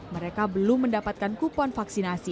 mereka belum mendapatkan kupon vaksinasi